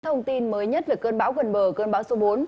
thông tin mới nhất về cơn bão gần bờ cơn bão số bốn